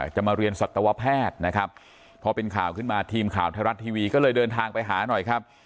จะมาเรียนสัตวแพทย์นะครับพอเป็นข่าวขึ้นมาทีมข่าวไทยรัฐทีวีก็เลยเดินทางไปหาหน่อยครับ